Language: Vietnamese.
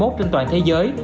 trên toàn thế giới